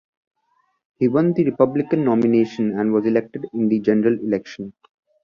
He won the Republican nomination and was elected in the general election.